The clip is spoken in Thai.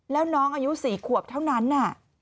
แล้วน้องอายุ๔ขวบเท่านั้น